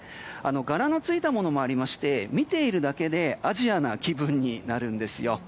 柄のついたものもありまして見ているだけでアジアな気分になるんですよ。